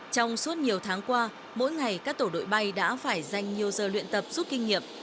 trong suốt nhiều tháng qua mỗi ngày các tổ đội bay đã phải dành nhiều giờ luyện tập rút kinh nghiệm